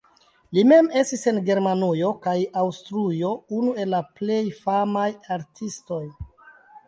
Li mem estis en Germanujo kaj Aŭstrujo unu el la plej famaj artistoj.